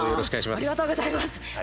ありがとうございます。